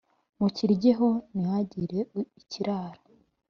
mukiryeho nihagire ikirara